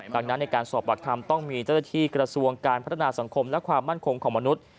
ดังนั้นในการสอบปากคำต้องมีเจ้าหน้าที่กระทรวงการพัฒนาสังคมและความมั่นคงของมนุษย์